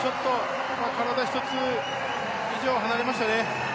体１つ以上離れましたね。